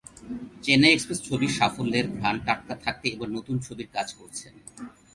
চেন্নাই এক্সপ্রেস ছবির সাফল্যের ঘ্রাণ টাটকা থাকতেই এবার নতুন ছবির কাজ করছেন।